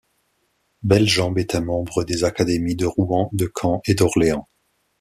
Beljambe était membre des académies de Rouen, de Caen et d’Orléans.